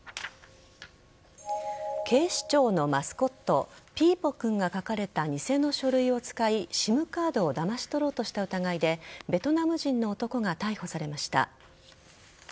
警視庁のマスコットピーポくんが描かれた偽の書類を使いＳＩＭカードをだまし取ろうとした疑いでベトナム人の男が逮捕されました。